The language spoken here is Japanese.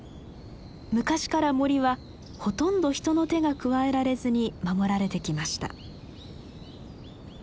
昔から森はほとんど人の手が加えられずに守られてきました。